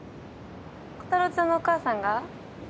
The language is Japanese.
コタローちゃんのお母さんが？